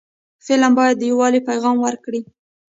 فلم باید د یووالي پیغام ورکړي